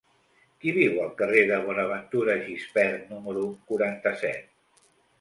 Qui viu al carrer de Bonaventura Gispert número quaranta-set?